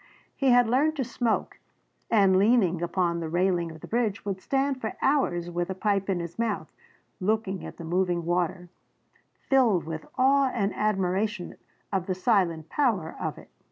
He had learned to smoke, and leaning upon the railing of the bridge would stand for hours with a pipe in his mouth looking at the moving water, filled with awe and admiration of the silent power of it.